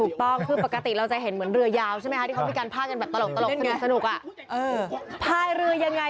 ถูกต้องคือปกติเราจะเห็นเหมือนเรือยาวใช่ไหมคะ